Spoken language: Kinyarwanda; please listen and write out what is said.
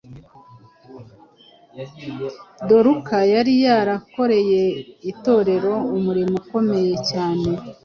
Doruka yari yarakoreye Itorero umurimo ukomeye cyane